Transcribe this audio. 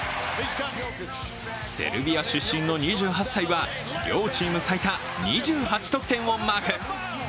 セルビア出身の２８歳は、両チーム最多２８得点をマーク。